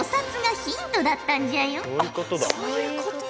そういうことだ。